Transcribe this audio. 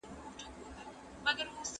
الله تعالی خپل حق بښلی سي.